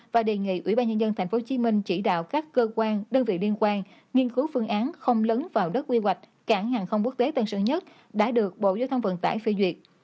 và đề nghị ủy ban nhân dân tp hcm chỉ đạo các cơ quan đơn vị liên quan nghiên cứu phương án không lấn vào đất quy hoạch cảng hàng không quốc tế tân sơn nhất đã được bộ giao thông vận tải phê duyệt